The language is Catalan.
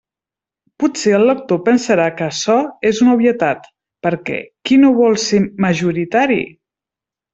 Potser el lector pensarà que açò és una obvietat, perquè ¿qui no vol ser majoritari?